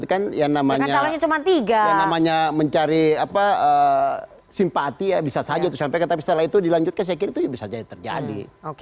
kan yang namanya mencari simpati bisa saja disampaikan tapi setelah itu dilanjutkan saya kira itu bisa saja terjadi